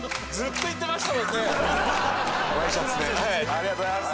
ありがとうございます。